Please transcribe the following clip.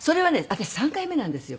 私３回目なんですよ